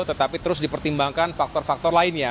tetapi terus dipertimbangkan faktor faktor lainnya